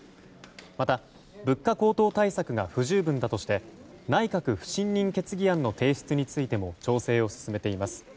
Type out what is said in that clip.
また、物価高騰対策が不十分だとして内閣不信任決議案の提出についても調整を進めています。